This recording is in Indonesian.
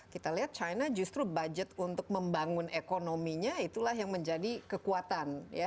kita lihat china justru budget untuk membangun ekonominya itulah yang menjadi kekuatan